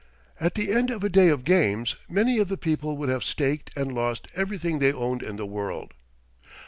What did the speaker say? At the end of a day of games, many of the people would have staked and lost everything they owned in the world.